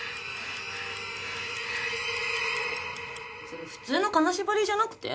それ普通の金縛りじゃなくて？